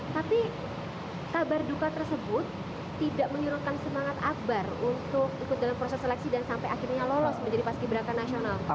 tapi kabar duka tersebut tidak menyurutkan semangat akbar untuk ikut dalam proses seleksi dan sampai akhirnya lolos menjadi paski beraka nasional